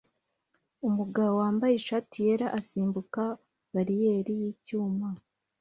Umugabo wambaye ishati yera asimbuka bariyeri yicyuma